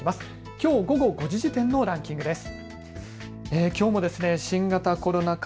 きょう午後５時時点のランキングです。